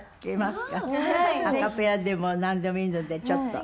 アカペラでもなんでもいいのでちょっと。